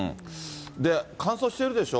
乾燥してるでしょ？